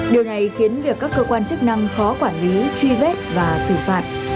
điều này khiến việc các cơ quan chức năng khó quản lý truy vết và xử phạt